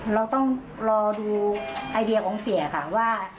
เราต้องรอดูไอเดียของเสียค่ะว่า